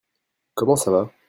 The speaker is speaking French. Comment ça va ?